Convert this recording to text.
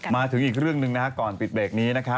มาถึงอีกเรื่องหนึ่งนะครับก่อนปิดเบรกนี้